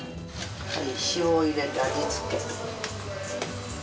塩を入れて味付け。